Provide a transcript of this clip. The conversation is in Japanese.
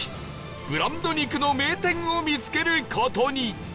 ブランド肉の名店を見つける事に